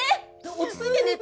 落ち着いてねえ！